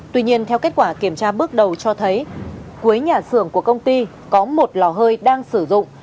tuy nhiên theo kết quả kiểm tra bước đầu cho thấy cuối nhà xưởng của công ty có một lò hơi đang sử dụng